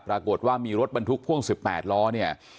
ปรากฏว่ามีรถบรรทุกพ่วง๑๘ล้อเนี่ย